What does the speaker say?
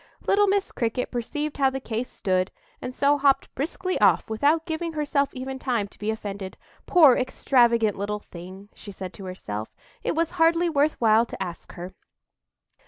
Little Miss Cricket perceived how the case stood, and so hopped briskly off, without giving herself even time to be offended. "Poor extravagant little thing!" said she to herself, "it was hardly worth while to ask her."